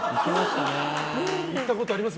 行ったことあります？